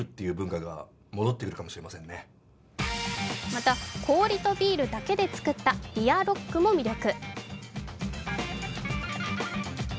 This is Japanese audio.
また、氷とビールだけで作ったビアロックも魅力。